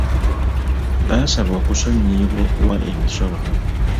Baasaba okusonyiyibwa okuwa emisolo.